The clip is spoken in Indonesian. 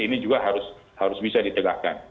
ini juga harus bisa ditegakkan